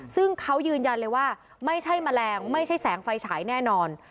ซึ่งเขายืนยันเลยว่าไม่ใช่แมลงไม่ใช่แสงไฟฉายแน่นอน